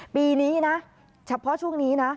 ปีนี้นะเฉพาะช่วงนี้นะ